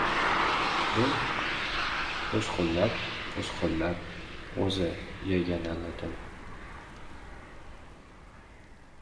Men qo‘shqo‘llab-qo‘shqullab g‘o‘za yaganaladim.